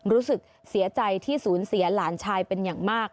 รู้สึกเสียใจที่สูญเสียหลานชายเป็นอย่างมาก